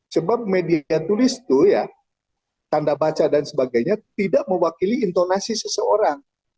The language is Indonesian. sebab media tulis tuh ya tanda baca dan sebagainya tidak mewakili intonasi seseorang